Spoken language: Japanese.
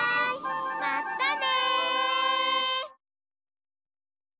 まったね！